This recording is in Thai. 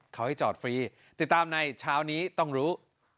เขาให้จอดฟรีติดตามในเช้านี้ต้องรู้